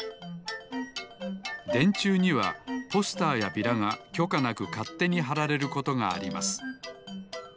でんちゅうにはポスターやビラがきょかなくかってにはられることがあります